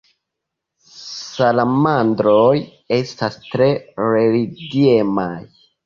Salamandroj estas tre religiemaj.